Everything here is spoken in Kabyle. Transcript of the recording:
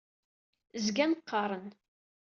Zgan qqaren.